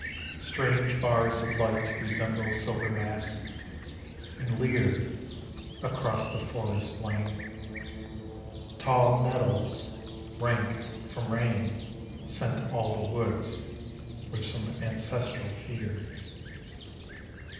Strange bars Of lif, r ht resemble silver masks, and leer Across the forest lane. Tall nettles rank from nun Scent all the woods with some ancestral fear.